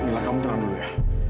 kamilah kamu tenang dulu ya